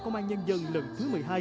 công an nhân dân lần thứ một mươi hai